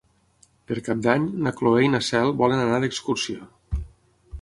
Per Cap d'Any na Cloè i na Cel volen anar d'excursió.